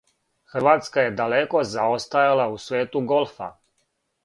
Хрватска је далеко заостајала у свету голфа.